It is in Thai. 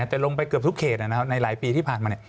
แต่ลงไปเกือบทุกเขตนะครับในหลายปีที่ผ่านมา